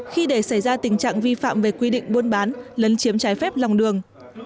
khi để xảy ra tình trạng vi phạm về quy định buôn bán lấn chiếm trái phép lòng đường